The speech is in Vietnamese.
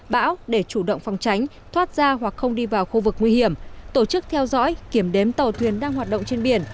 bão để chủ động phòng tránh thoát ra hoặc không đi vào khu vực nguy hiểm tổ chức theo dõi kiểm đếm tàu thuyền đang hoạt động trên biển